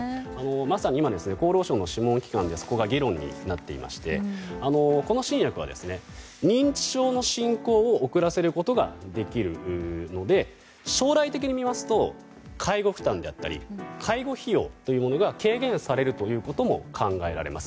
まさに今厚労省の諮問会議でそこが議論になっていましてこの新薬は認知症の進行を遅らせることができるので将来的に見ますと介護負担だったり介護費用というものが軽減されるということも考えられます。